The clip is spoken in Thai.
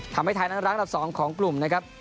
ทำให้ไทยนั้นร้างอันดับ๒ของกลุ่มนะครับ